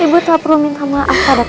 ibu tak perlu minta maaf pada